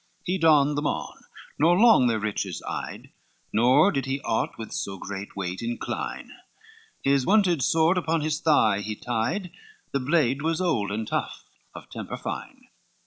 LII He donned them on, not long their riches eyed, Nor did he aught with so great weight incline, His wonted sword upon his thigh he tied, The blade was old and tough, of temper fine.